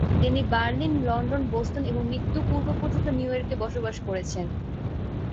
তিনি Berlin, London, Boston এবং মৃত্যুর পূর্ব পর্যন্ত নিউইয়র্কে বসবাস করেছেন।